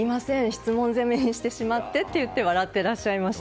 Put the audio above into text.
質問攻めにしまってと言われて笑っていらっしゃいました。